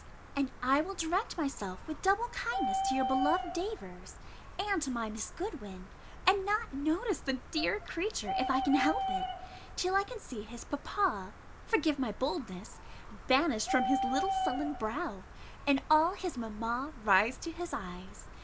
and I will direct myself with double kindness to your beloved Davers, and to my Miss Goodwin, and not notice the dear creature, if I can help it, till I can see his papa (forgive my boldness) banished from his little sullen brow, and all his mamma rise to his eyes.